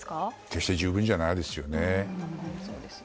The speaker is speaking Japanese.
決して十分ではないですよね。